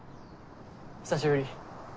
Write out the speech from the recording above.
久しぶり。